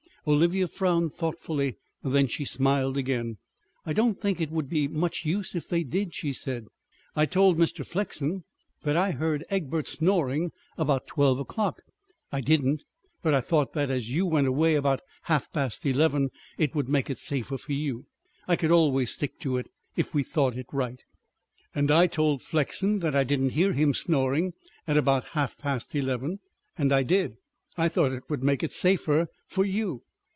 Olivia frowned thoughtfully. Then she smiled again. "I don't think it would be much use if they did," she said. "I told Mr. Flexen that I heard Egbert snoring about twelve o'clock. I didn't; but I thought that as you went away about half past eleven, it would make it safer for you. I could always stick to it, if we thought it right." "And I told Flexen that I didn't hear him snoring at about half past eleven, and I did. I thought it would make it safer for you."